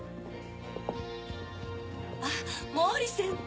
あっ毛利先輩！